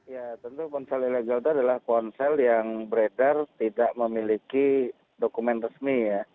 ya tentu ponsel ilegal itu adalah ponsel yang beredar tidak memiliki dokumen resmi ya